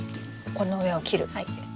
この上を切る。